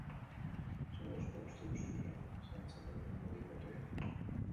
Zer moduzkoak uste duzu direla diseinatzaile belaunaldi berriak?